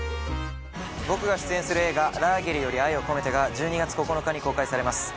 僕が出演する映画「ラーゲリより愛を込めて」が１２月９日に公開されます